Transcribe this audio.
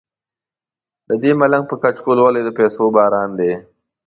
ددې ملنګ په کچکول ولې د پیسو باران دی.